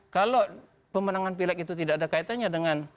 kalau pemenangan pilek itu tidak ada kaitannya dengan